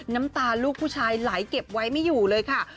น้ำตาลูกผู้ชายไหลเก็บไว้ไม่อยู่เลยค่ะ